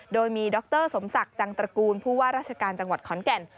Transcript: โดยมีดรสมศักดิ์จังตระกูลผู้ว่าราชการจังหวัดขอนแก่น